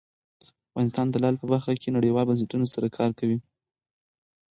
افغانستان د لعل په برخه کې نړیوالو بنسټونو سره کار کوي.